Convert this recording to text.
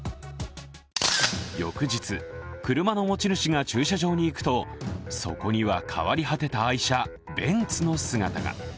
翌日、車の持ち主が駐車場に行くと、そこには変わり果てた愛車ベンツの姿が。